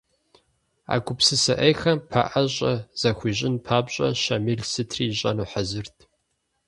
А гупсысэ Ӏейхэм пэӏэщӏэ захуищӏын папщӏэ Щамил сытри ищӏэну хьэзырт.